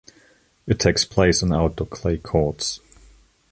It takes place on outdoor clay courts.